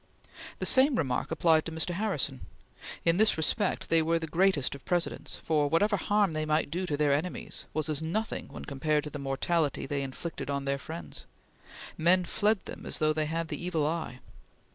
The same remark applied to Mr. Harrison. In this respect, they were the greatest of Presidents, for, whatever harm they might do their enemies, was as nothing when compared to the mortality they inflicted on their friends. Men fled them as though they had the evil eye.